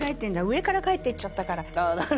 上から書いてっちゃったから。